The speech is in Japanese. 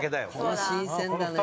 これは新鮮だね。